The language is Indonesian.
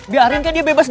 biarin kayak dia bebas diri